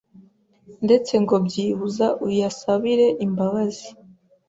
ndetse ngo byibuza uyasabire imbabazi.